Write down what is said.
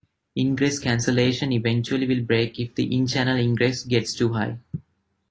Ingress cancellation eventually will break if the in-channel ingress gets too high.